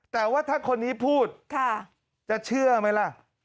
แต่ว่าถ้าคนนี้พูดจะเชื่อไหมล่ะ